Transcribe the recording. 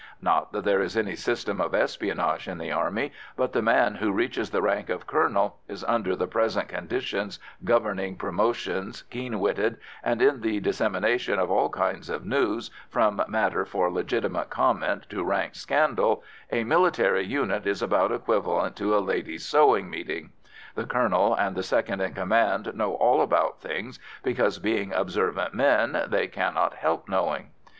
Not that there is any system of espionage in the Army, but the man who reaches the rank of colonel is, under the present conditions governing promotion, keen witted, and in the dissemination of all kinds of news, from matter for legitimate comment to rank scandal, a military unit is about equivalent to a ladies' sewing meeting. The colonel and the second in command know all about things because, being observant men, they cannot help knowing.